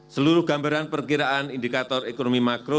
seluruh gambaran perkiraan indikator ekonomi makro